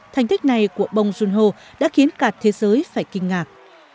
thành thích này của bông junho đã khiến cả thế giới phải kinh ngạc